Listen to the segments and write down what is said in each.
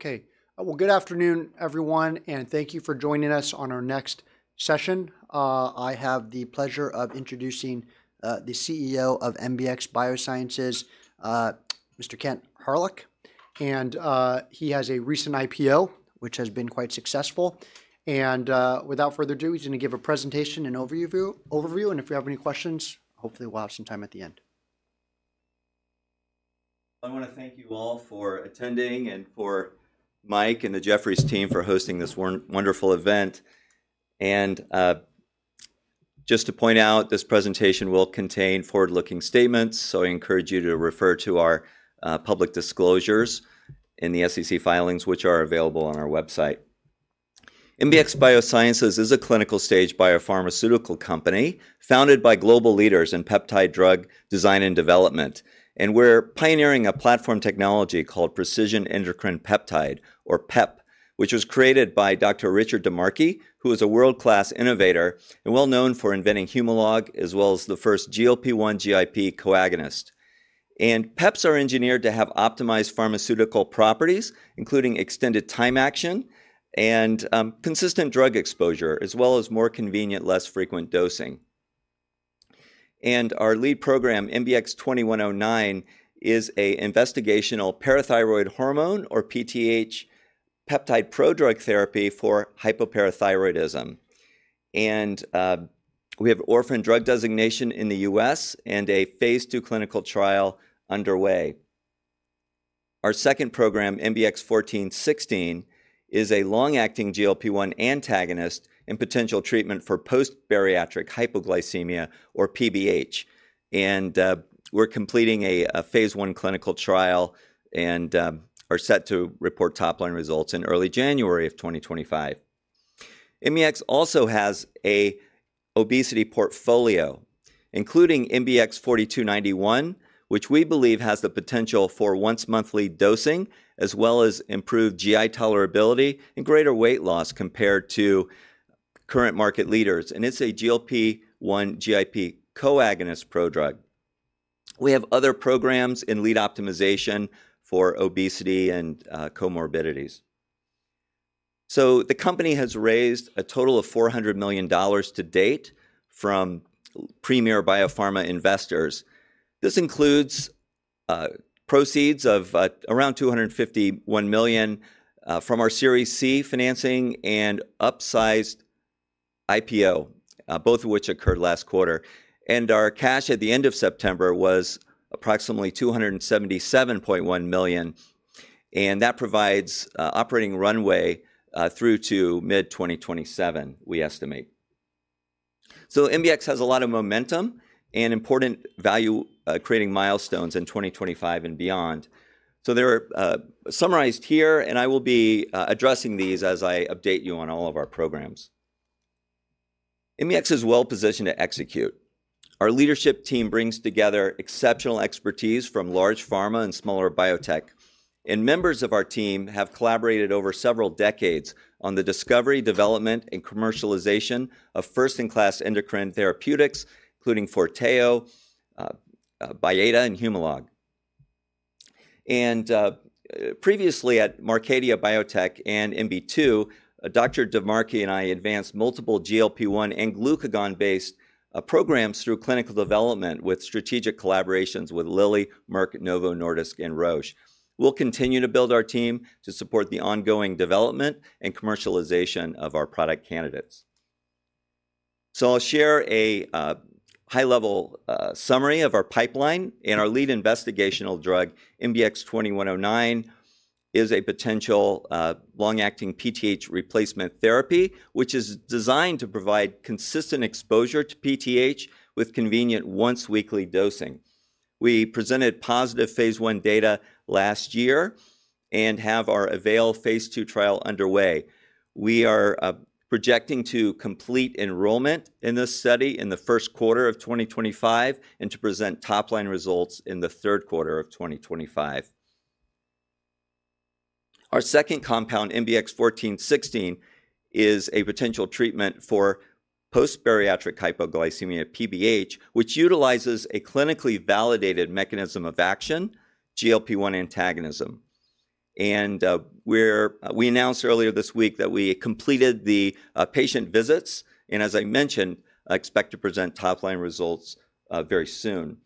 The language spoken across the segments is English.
Okay, well, good afternoon, everyone, and thank you for joining us on our next session. I have the pleasure of introducing the CEO of MBX Biosciences, Mr. Kent Hawryluk, and he has a recent IPO, which has been quite successful, and without further due, he's going to give a presentation and overview, and if you have any questions, hopefully we'll have some time at the end. I want to thank you all for attending and for Mike and the Jefferies team for hosting this wonderful event. Just to point out, this presentation will contain forward-looking statements, so I encourage you to refer to our public disclosures in the SEC filings, which are available on our website. MBX Biosciences is a clinical stage biopharmaceutical company founded by global leaders in peptide drug design and development. We're pioneering a platform technology called Precision Endocrine Peptide, or PEP, which was created by Dr. Richard DiMarchi, who is a world-class innovator and well-known for inventing Humalog, as well as the first GLP-1 GIP coagonist. PEPs are engineered to have optimized pharmaceutical properties, including extended time action and consistent drug exposure, as well as more convenient, less frequent dosing. Our lead program, MBX 2109, is an investigational parathyroid hormone, or PTH, peptide pro-drug therapy for hypoparathyroidism. We have orphan drug designation in the U.S. and a phase II clinical trial underway. Our second program, MBX 1416, is a long-acting GLP-1 antagonist and potential treatment for post-bariatric hypoglycemia, or PBH. We're completing a phase I clinical trial and are set to report top-line results in early January of 2025. MBX also has an obesity portfolio, including MBX 4291, which we believe has the potential for once-monthly dosing, as well as improved GI tolerability and greater weight loss compared to current market leaders. It's a GLP-1 GIP coagonist pro-drug. We have other programs in lead optimization for obesity and comorbidities. The company has raised a total of $400 million to date from premier biopharma investors. This includes proceeds of around $251 million from our Series C financing and upsized IPO, both of which occurred last quarter. And our cash at the end of September was approximately $277.1 million. And that provides operating runway through to mid-2027, we estimate. So MBX has a lot of momentum and important value-creating milestones in 2025 and beyond. So they're summarized here, and I will be addressing these as I update you on all of our programs. MBX is well-positioned to execute. Our leadership team brings together exceptional expertise from large pharma and smaller biotech. And members of our team have collaborated over several decades on the discovery, development, and commercialization of first-in-class endocrine therapeutics, including Forteo, Byetta, and Humalog. And previously at Marcadia Biotech and MB2, Dr. DiMarchi and I advanced multiple GLP-1 and glucagon-based programs through clinical development with strategic collaborations with Lilly, Merck, Novo Nordisk, and Roche. We'll continue to build our team to support the ongoing development and commercialization of our product candidates. I'll share a high-level summary of our pipeline. Our lead investigational drug, MBX 2109, is a potential long-acting PTH replacement therapy, which is designed to provide consistent exposure to PTH with convenient once-weekly dosing. We presented positive phase I data last year and have our AVAIL phase II trial underway. We are projecting to complete enrollment in this study in the first quarter of 2025 and to present top-line results in the third quarter of 2025. Our second compound, MBX 1416, is a potential treatment for post-bariatric hypoglycemia PBH, which utilizes a clinically validated mechanism of action, GLP-1 antagonism. We announced earlier this week that we completed the patient visits. As I mentioned, expect to present top-line results very soon.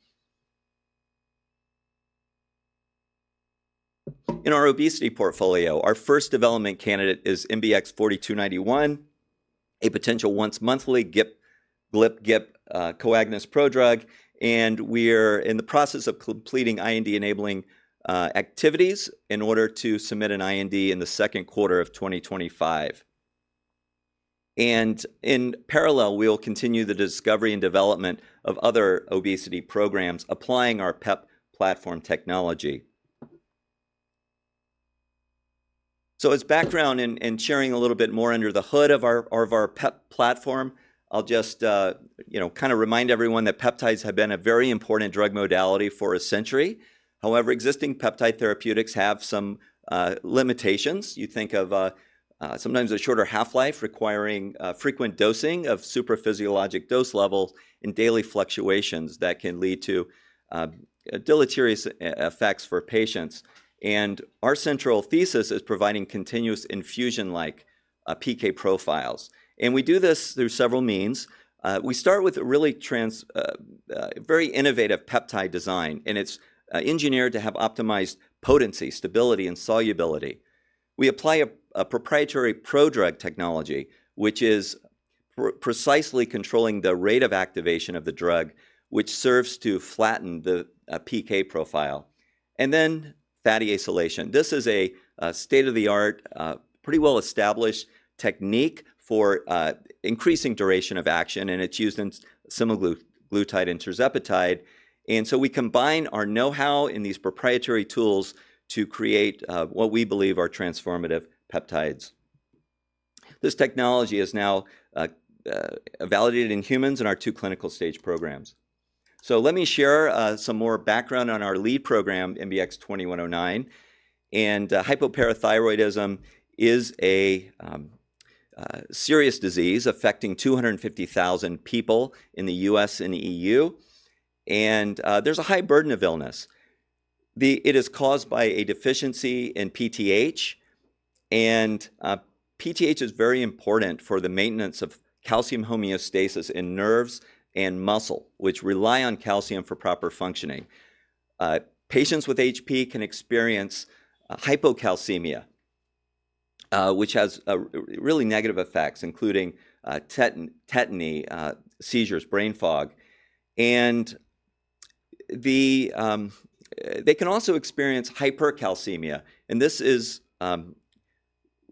In our obesity portfolio, our first development candidate is MBX 4291, a potential once-monthly GLP-1 coagonist pro-drug. We are in the process of completing IND-enabling activities in order to submit an IND in the second quarter of 2025. In parallel, we'll continue the discovery and development of other obesity programs, applying our PEP platform technology. As background and sharing a little bit more under the hood of our PEP platform, I'll just kind of remind everyone that peptides have been a very important drug modality for a century. However, existing peptide therapeutics have some limitations. You think of sometimes a shorter half-life requiring frequent dosing of super physiologic dose levels and daily fluctuations that can lead to deleterious effects for patients. Our central thesis is providing continuous infusion-like PK profiles. We do this through several means. We start with a really very innovative peptide design, and it's engineered to have optimized potency, stability, and solubility. We apply a proprietary prodrug technology, which is precisely controlling the rate of activation of the drug, which serves to flatten the PK profile. And then fatty acylation. This is a state-of-the-art, pretty well-established technique for increasing duration of action, and it's used in Semaglutide and Tirzepatide. And so we combine our know-how in these proprietary tools to create what we believe are transformative peptides. This technology is now validated in humans in our two clinical stage programs. So let me share some more background on our lead program, MBX 2109. And hypoparathyroidism is a serious disease affecting 250,000 people in the U.S. and EU. And there's a high burden of illness. It is caused by a deficiency in PTH. And PTH is very important for the maintenance of calcium homeostasis in nerves and muscle, which rely on calcium for proper functioning. Patients with HP can experience hypocalcemia, which has really negative effects, including tetany, seizures, brain fog, and they can also experience hypercalcemia, and this is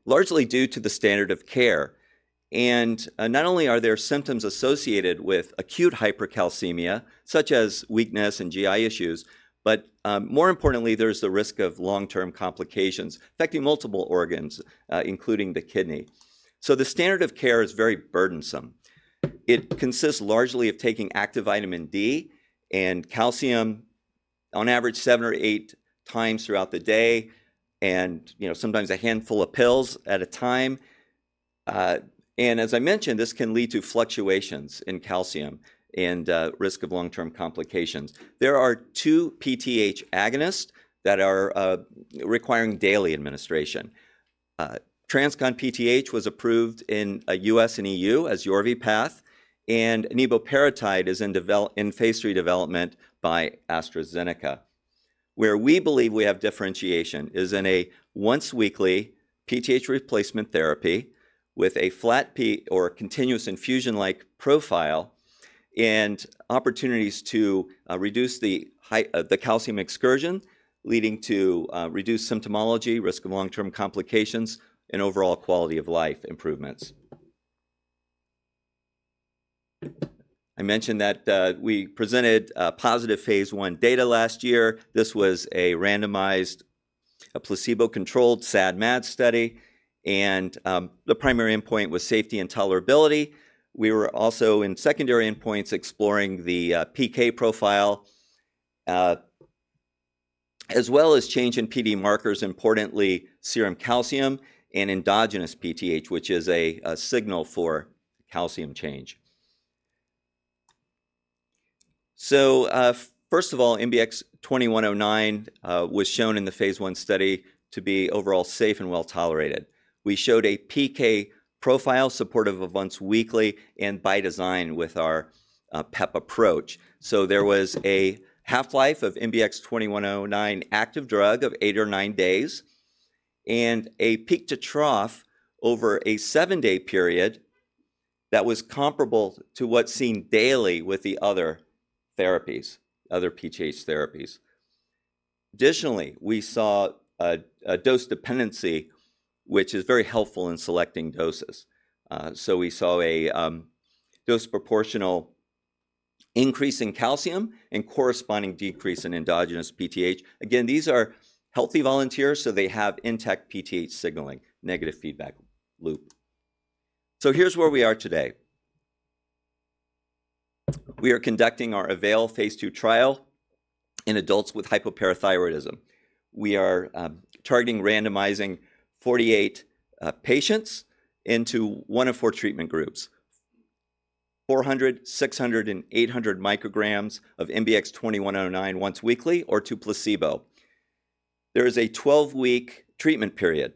largely due to the standard of care, and not only are there symptoms associated with acute hypercalcemia, such as weakness and GI issues, but more importantly, there's the risk of long-term complications affecting multiple organs, including the kidney, so the standard of care is very burdensome. It consists largely of taking active vitamin D and calcium on average seven or eight times throughout the day, and sometimes a handful of pills at a time, and as I mentioned, this can lead to fluctuations in calcium and risk of long-term complications. There are two PTH agonists that are requiring daily administration. TransCon PTH was approved in U.S. and EU as YORVIPATH, and eneboparatide is in phase III development by AstraZeneca. Where we believe we have differentiation is in a once-weekly PTH replacement therapy with a flat or continuous infusion-like profile and opportunities to reduce the calcium excursion, leading to reduced symptomology, risk of long-term complications, and overall quality of life improvements. I mentioned that we presented positive phase I data last year. This was a randomized placebo-controlled SAD-MAD study, and the primary endpoint was safety and tolerability. We were also in secondary endpoints exploring the PK profile, as well as change in PD markers, importantly serum calcium and endogenous PTH, which is a signal for calcium change. So first of all, MBX 2109 was shown in the phase I study to be overall safe and well-tolerated. We showed a PK profile supportive of once weekly and by design with our PEP approach. So there was a half-life of MBX 2109 active drug of eight or nine days, and a peak to trough over a seven-day period that was comparable to what's seen daily with the other PTH therapies. Additionally, we saw a dose dependency, which is very helpful in selecting doses. So we saw a dose proportional increase in calcium and corresponding decrease in endogenous PTH. Again, these are healthy volunteers, so they have intact PTH signaling, negative feedback loop. So here's where we are today. We are conducting our AVAIL phase II trial in adults with hypoparathyroidism. We are targeting randomizing 48 patients into one of four treatment groups: 400, 600, and 800 micrograms of MBX 2109 once weekly or to placebo. There is a 12-week treatment period,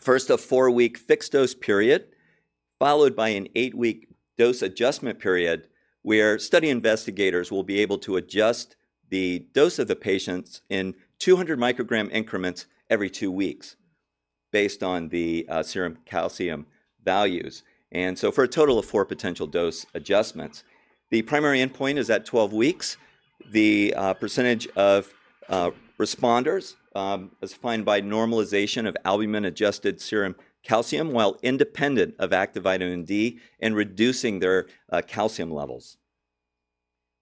first a four-week fixed dose period, followed by an eight-week dose adjustment period, where study investigators will be able to adjust the dose of the patients in 200 microgram increments every two weeks based on the serum calcium values, and so for a total of four potential dose adjustments. The primary endpoint is at 12 weeks. The percentage of responders is defined by normalization of albumin-adjusted serum calcium while independent of active vitamin D and reducing their calcium levels.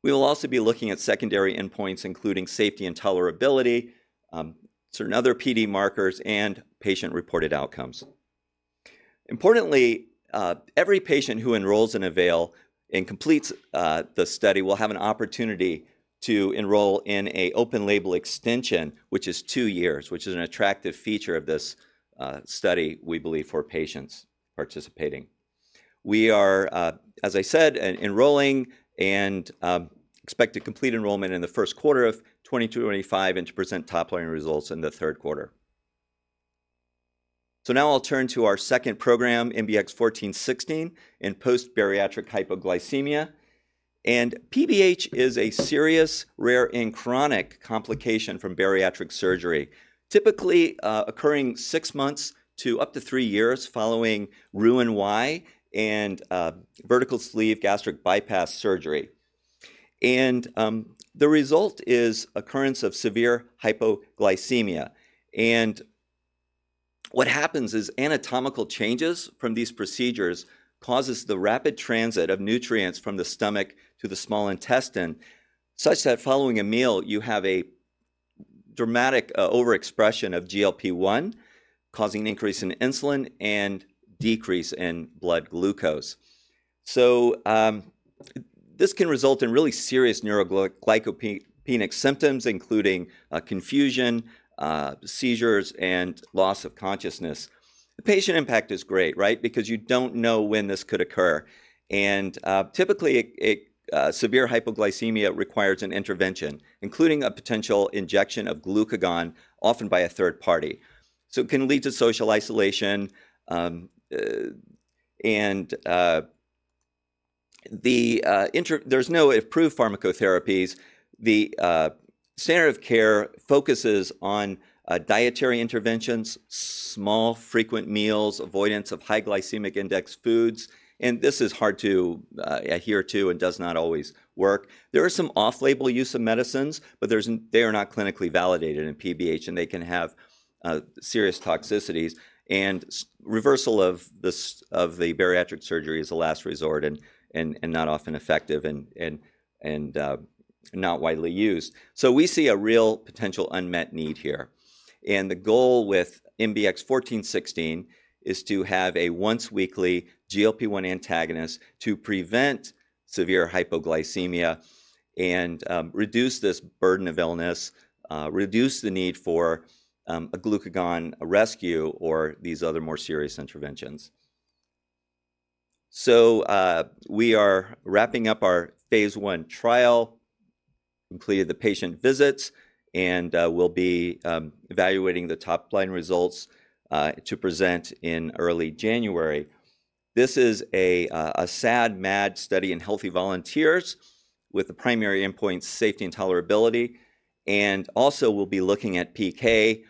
We will also be looking at secondary endpoints, including safety and tolerability, certain other PD markers, and patient-reported outcomes. Importantly, every patient who enrolls in AVAIL and completes the study will have an opportunity to enroll in an open-label extension, which is two years, which is an attractive feature of this study, we believe, for patients participating. We are, as I said, enrolling and expect to complete enrollment in the first quarter of 2025 and to present top-line results in the third quarter. So now I'll turn to our second program, MBX 1416, in post-bariatric hypoglycemia. And PBH is a serious, rare, and chronic complication from bariatric surgery, typically occurring six months to up to three years following Roux-en-Y and vertical sleeve gastric bypass surgery. And the result is occurrence of severe hypoglycemia. And what happens is anatomical changes from these procedures cause the rapid transit of nutrients from the stomach to the small intestine, such that following a meal, you have a dramatic overexpression of GLP-1, causing an increase in insulin and decrease in blood glucose. So this can result in really serious neuroglycopenic symptoms, including confusion, seizures, and loss of consciousness. The patient impact is great, right? Because you don't know when this could occur. Typically, severe hypoglycemia requires an intervention, including a potential injection of glucagon, often by a third party. It can lead to social isolation. There's no approved pharmacotherapies. The standard of care focuses on dietary interventions, small frequent meals, avoidance of high glycemic index foods. This is hard to adhere to and does not always work. There are some off-label use of medicines, but they are not clinically validated in PBH, and they can have serious toxicities. Reversal of the bariatric surgery is a last resort and not often effective and not widely used. We see a real potential unmet need here. The goal with MBX 1416 is to have a once-weekly GLP-1 antagonist to prevent severe hypoglycemia and reduce this burden of illness, reduce the need for a glucagon rescue or these other more serious interventions. So we are wrapping up our phase I trial, completed the patient visits, and we'll be evaluating the top-line results to present in early January. This is a SAD-MAD study in healthy volunteers with the primary endpoint safety and tolerability. And also, we'll be looking at PK.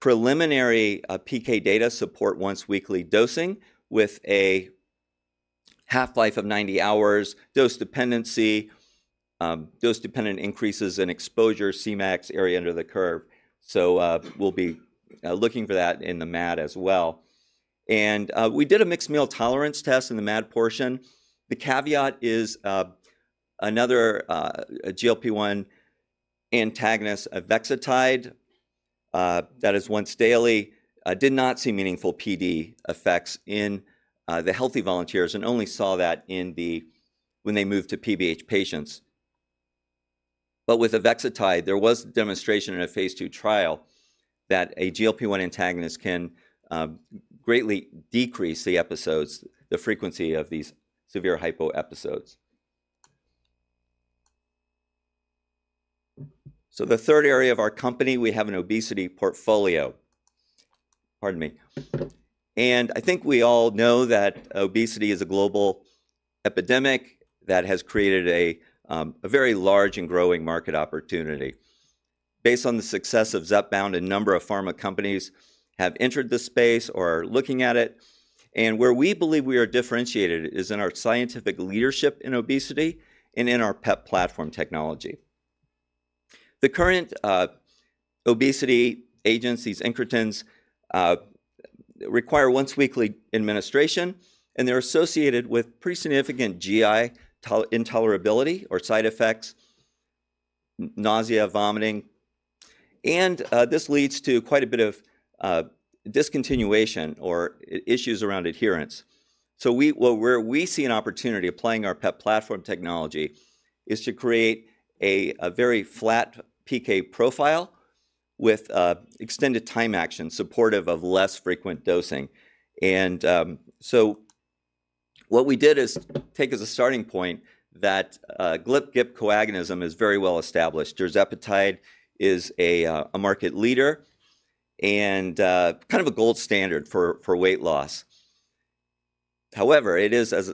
Preliminary PK data support once-weekly dosing with a half-life of 90 hours, dose dependency, dose-dependent increases in exposure, CMAX area under the curve. So we'll be looking for that in the MAD as well. And we did a mixed meal tolerance test in the MAD portion. The caveat is another GLP-1 antagonist, Avexitide, that is once daily. It did not see meaningful PD effects in the healthy volunteers and only saw that when they moved to PBH patients. But with Avexitide, there was demonstration in a phase II trial that a GLP-1 antagonist can greatly decrease the frequency of these severe hypo episodes. So the third area of our company, we have an obesity portfolio. Pardon me. And I think we all know that obesity is a global epidemic that has created a very large and growing market opportunity. Based on the success of Zepbound, a number of pharma companies have entered the space or are looking at it. And where we believe we are differentiated is in our scientific leadership in obesity and in our PEP platform technology. The current obesity agents, incretins, require once-weekly administration, and they're associated with pretty significant GI intolerability or side effects, nausea, vomiting. And this leads to quite a bit of discontinuation or issues around adherence. So where we see an opportunity applying our PEP platform technology is to create a very flat PK profile with extended duration of action supportive of less frequent dosing. And so what we did is take as a starting point that GLP co-agonism is very well established. Tirzepatide is a market leader and kind of a gold standard for weight loss. However, it is, as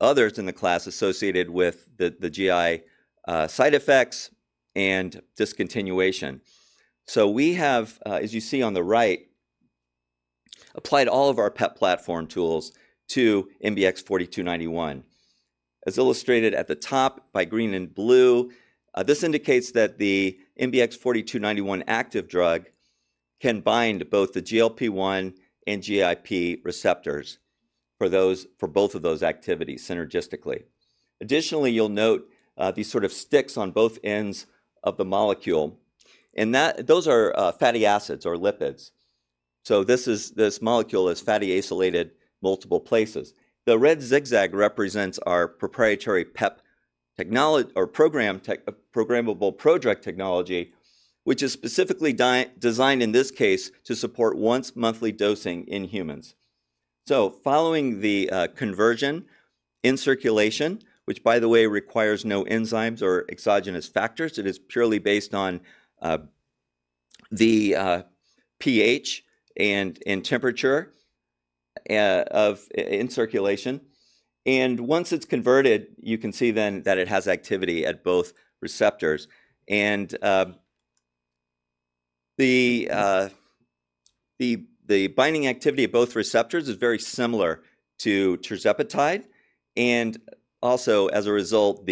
others in the class, associated with the GI side effects and discontinuation. So we have, as you see on the right, applied all of our PEP platform tools to MBX 4291. As illustrated at the top by green and blue, this indicates that the MBX 4291 active drug can bind both the GLP-1 and GIP receptors for both of those activities synergistically. Additionally, you'll note these sort of sticks on both ends of the molecule. And those are fatty acids or lipids. So this molecule is fatty acylated multiple places. The red zigzag represents our proprietary PEP platform technology, which is specifically designed in this case to support once-monthly dosing in humans. So following the conversion in circulation, which, by the way, requires no enzymes or exogenous factors, it is purely based on the pH and temperature in circulation. And once it's converted, you can see then that it has activity at both receptors. And the binding activity of both receptors is very similar to Tirzepatide. And also, as a result,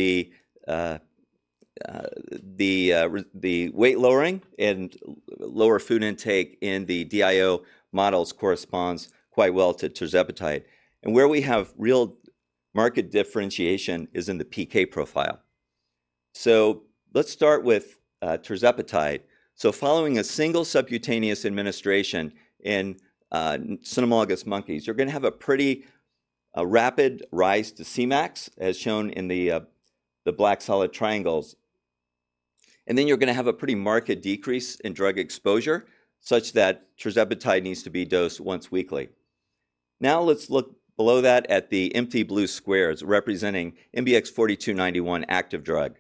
the weight lowering and lower food intake in the DIO models corresponds quite well to Tirzepatide. And where we have real market differentiation is in the PK profile. So let's start with Tirzepatide. So following a single subcutaneous administration in cynomolgus monkeys, you're going to have a pretty rapid rise to CMAX, as shown in the black solid triangles. And then you're going to have a pretty marked decrease in drug exposure, such that Tirzepatide needs to be dosed once weekly. Now let's look below that at the empty blue squares representing MBX 4291 active drug.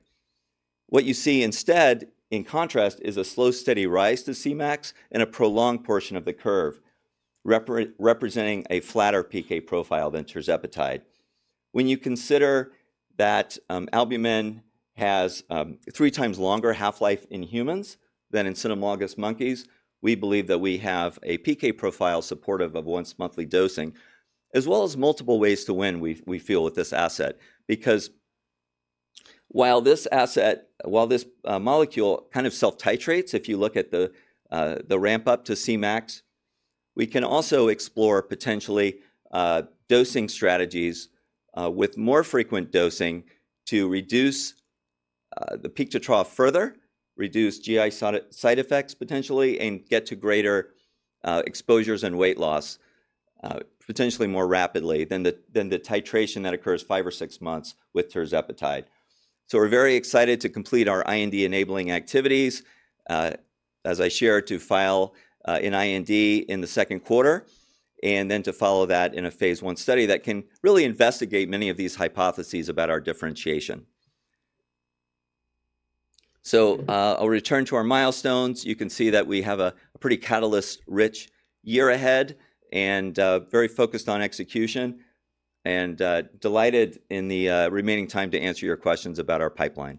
What you see instead, in contrast, is a slow, steady rise to CMAX in a prolonged portion of the curve, representing a flatter PK profile than tirzepatide. When you consider that albumin has three times longer half-life in humans than in cynomolgus monkeys, we believe that we have a PK profile supportive of once-monthly dosing, as well as multiple ways to win, we feel, with this asset. Because while this molecule kind of self-titrates, if you look at the ramp-up to CMAX, we can also explore potentially dosing strategies with more frequent dosing to reduce the peak to trough further, reduce GI side effects potentially, and get to greater exposures and weight loss potentially more rapidly than the titration that occurs five or six months with tirzepatide. So we're very excited to complete our IND-enabling activities, as I shared, to file an IND in the second quarter, and then to follow that in a phase I study that can really investigate many of these hypotheses about our differentiation. So I'll return to our milestones. You can see that we have a pretty catalyst-rich year ahead and very focused on execution and delighted in the remaining time to answer your questions about our pipeline.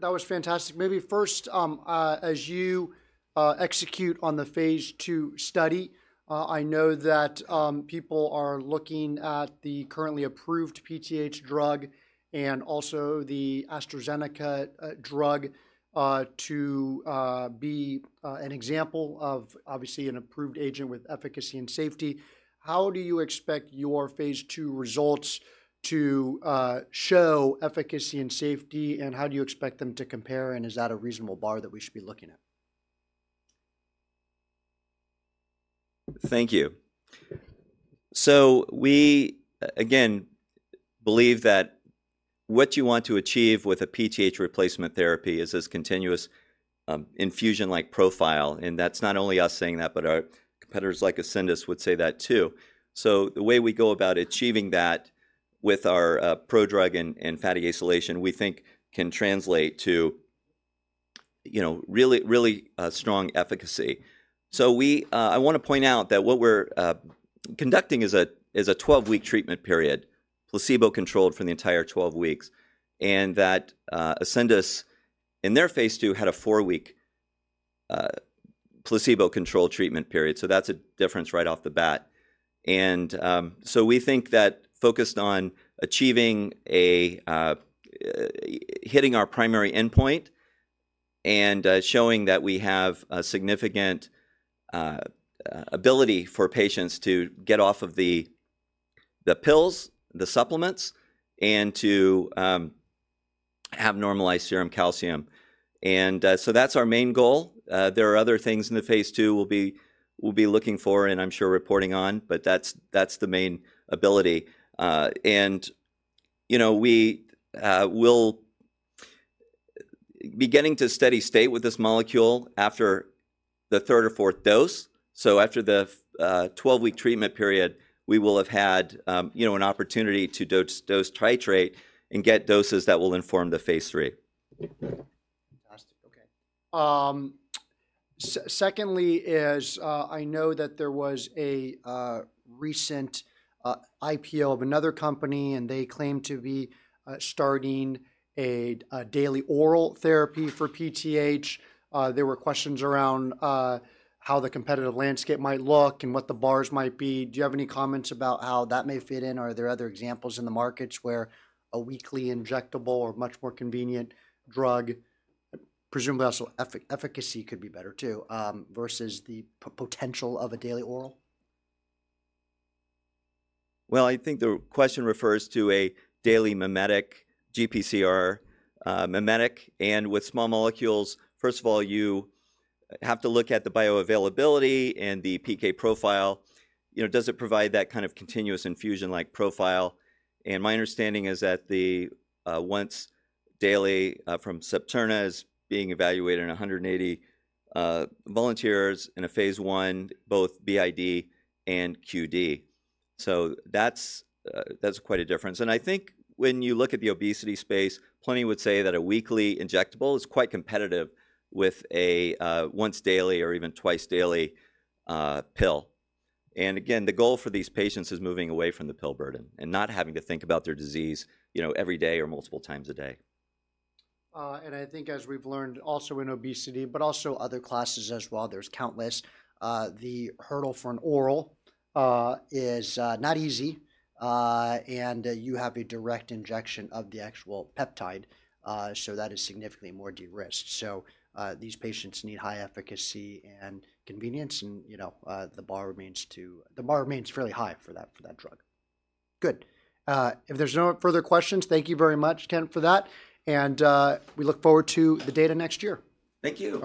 That was fantastic. Maybe first, as you execute on the phase II study, I know that people are looking at the currently approved PTH drug and also the AstraZeneca drug to be an example of, obviously, an approved agent with efficacy and safety. How do you expect your phase II results to show efficacy and safety, and how do you expect them to compare, and is that a reasonable bar that we should be looking at? Thank you. So we, again, believe that what you want to achieve with a PTH replacement therapy is this continuous infusion-like profile. And that's not only us saying that, but our competitors like Ascendis would say that too. So the way we go about achieving that with our prodrug and fatty acylation, we think can translate to really strong efficacy. So I want to point out that what we're conducting is a 12-week treatment period, placebo-controlled for the entire 12 weeks, and that Ascendis in their phase II had a four-week placebo-controlled treatment period. So that's a difference right off the bat. And so we think that, focused on hitting our primary endpoint and showing that we have a significant ability for patients to get off of the pills, the supplements, and to have normalized serum calcium. And so that's our main goal. There are other things in the phase II we'll be looking for and I'm sure reporting on, but that's the main ability. And we will be getting to a steady state with this molecule after the third or fourth dose. So after the 12-week treatment period, we will have had an opportunity to dose titrate and get doses that will inform the phase III. Fantastic. Okay. Secondly, I know that there was a recent IPO of another company, and they claim to be starting a daily oral therapy for PTH. There were questions around how the competitive landscape might look and what the bars might be. Do you have any comments about how that may fit in? Are there other examples in the markets where a weekly injectable or much more convenient drug, presumably also efficacy could be better too, versus the potential of a daily oral? I think the question refers to a daily mimetic GPCR mimetic. And with small molecules, first of all, you have to look at the bioavailability and the PK profile. Does it provide that kind of continuous infusion-like profile? And my understanding is that the once-daily from Septerna is being evaluated in 180 volunteers in a phase 1, both BID and QD. So that's quite a difference. And I think when you look at the obesity space, plenty would say that a weekly injectable is quite competitive with a once-daily or even twice-daily pill. And again, the goal for these patients is moving away from the pill burden and not having to think about their disease every day or multiple times a day. And I think as we've learned also in obesity, but also other classes as well, there's countless, the hurdle for an oral is not easy. And you have a direct injection of the actual peptide. So that is significantly more de-risked. So these patients need high efficacy and convenience, and the bar remains fairly high for that drug. Good. If there's no further questions, thank you very much, Kent, for that. And we look forward to the data next year. Thank you.